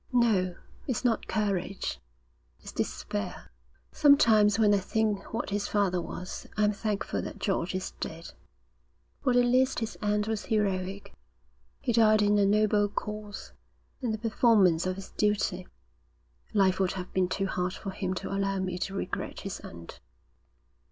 'No, it's not courage; it's despair. Sometimes, when I think what his father was, I'm thankful that George is dead. For at least his end was heroic. He died in a noble cause, in the performance of his duty. Life would have been too hard for him to allow me to regret his end.'